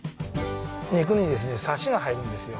肉にサシが入るんですよ。